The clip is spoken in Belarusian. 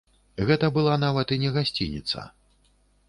Гэта была нават і не гасцініца.